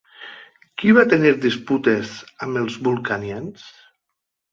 Qui va tenir disputes amb els vulcanians?